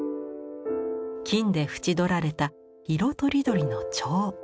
金で縁取られた色とりどりの蝶。